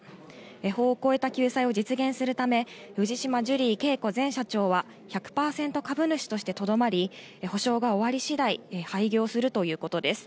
法を超えた救済を実現するため、藤島ジュリー景子前社長は、１００％株主としてとどまり、補償が終わりしだい、廃業するということです。